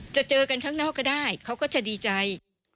เจอกันข้างนอกก็ได้เขาก็จะดีใจ